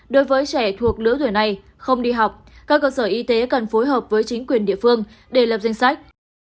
đối với trẻ thuộc lứa tuổi này không đi học các cơ sở y tế cần phối hợp với chính quyền địa phương để lập danh sách